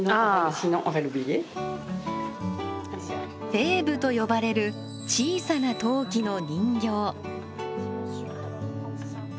「フェーヴ」と呼ばれる小さな陶器の人形。